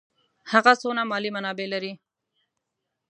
هغه څونه مالي منابع لري.